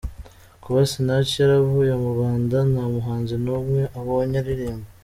Kuba Sinach yaravuye mu Rwanda nta muhanzi n'umwe abonye aririmba.